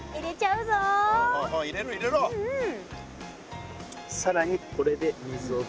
うん。